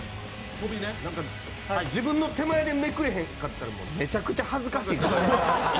自分の手前でめくれへんかったら、めちゃくちゃ恥ずかしい。